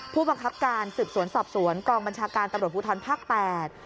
ผู้บังคับการศึกษวนสอบศวนกองบัญชาการตำรวจภูทรภักดิ์๘